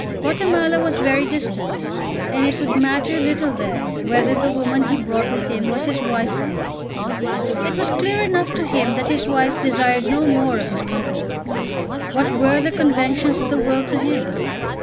Guatemala was very distant, and it would matter little there whether the woman he brought with him was his wife or no. It was clear enough to him that his wife desired no more of his company. What were the conventions of the world to him?